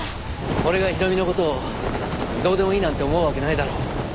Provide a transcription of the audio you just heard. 俺が宏美の事をどうでもいいなんて思うわけないだろ。